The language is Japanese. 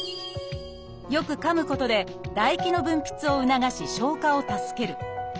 よくかむことで唾液の分泌を促し消化を助ける。